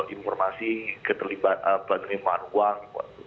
informasi keterlibatkan penerimaan uang